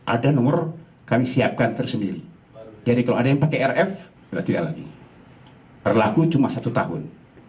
ada nomor kami siapkan tersendiri jadi kalau ada yang pakai rf sudah tidak lagi berlaku cuma satu tahun